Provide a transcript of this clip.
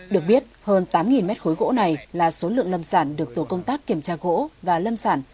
được biết hơn tám mét khối gỗ này là số lượng lâm sản được tổ công tác kiểm tra gỗ và lâm sản